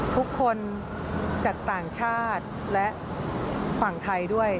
ทุกคนจากต่างชาติและฝั่งไทยด้วย